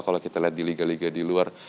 kalau kita lihat di liga liga di luar